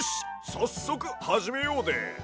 さっそくはじめようで！